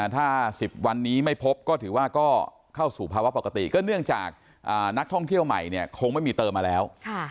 ถ้า๑๐วันนี้ไม่พบก็ถือว่าก็เข้าสู่ภาวะปกติก็เนื่องจากนักท่องเที่ยวใหม่เนี่ยคงไม่มีเติมมาแล้ว